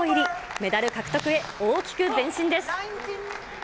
メダル獲得へ、大きく前進です。